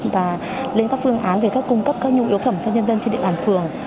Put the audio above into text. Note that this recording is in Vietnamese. và lên các phương án về các cung cấp các nhu yếu phẩm cho nhân dân trên địa bàn phường